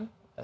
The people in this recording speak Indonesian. sudah peak ya